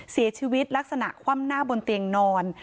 เสียชีวิตลักษณะคว่ำหน้าบนเตียงนอน